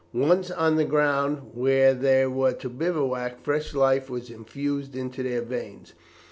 Once on the ground where they were to bivouac, fresh life was infused into their veins.